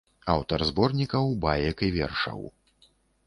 Аўтар зборнікаў баек і вершаў.